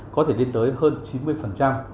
có thể đến tới hơn chín mươi